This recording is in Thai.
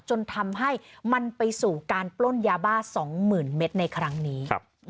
จนทำให้มันไปสู่การปล้นยาบ้า๒๐๐๐เมตรในครั้งนี้